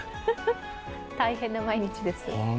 大変な毎日です。